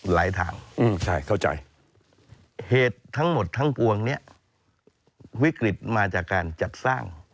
หลายทางใช่เข้าใจเหตุทั้งหมดทั้งปวงเนี่ยวิกฤตมาจากการจัดสร้าง